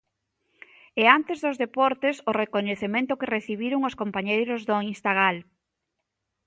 E antes dos deportes, o recoñecemento que recibiron os compañeiros do Instagal.